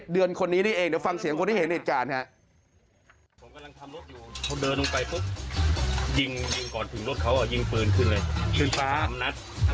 ๗เดือนคนนี้นี่เองเดี๋ยวฟังเสียงคนที่เห็นอีกจานค่ะ